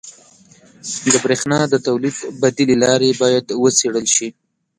• د برېښنا د تولید بدیلې لارې باید وڅېړل شي.